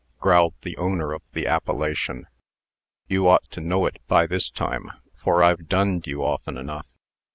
growled the owner of the appellation, "You ought to know it by this time; for I've dunned you often enough."